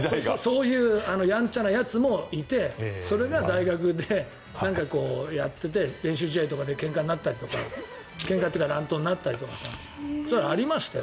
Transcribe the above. そういうやんちゃなやつもいてそれが大学でやってて練習試合とかでけんかになったりとかけんかというか乱闘になったりそれはありましたよ